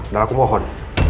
dan aku mohon